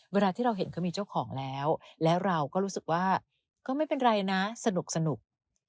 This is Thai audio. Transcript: เวลาที่เราเห็นเขามีเจ้าของแล้วแล้วเราก็รู้สึกว่าก็ไม่เป็นไรนะสนุก